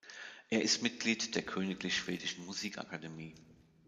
Er ist Mitglied der Königlich-Schwedischen Musikakademie.